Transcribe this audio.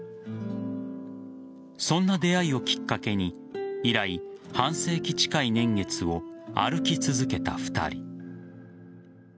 そんな出会いをきっかけに以来、半世紀近い年月を歩き続けた２人。